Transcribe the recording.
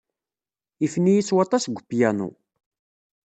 Ifen-iyi s waṭas deg upyanu.